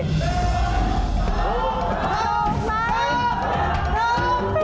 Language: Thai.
ถูกไหม